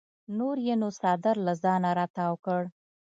نور یې نو څادر له ځانه راتاو کړ.